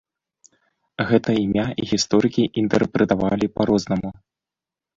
Гэта імя гісторыкі інтэрпрэтавалі па-рознаму.